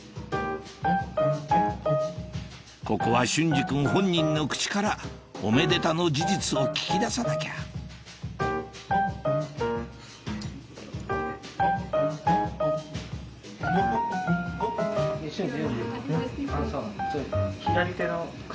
ここは隼司君本人の口からおめでたの事実を聞き出さなきゃ隼司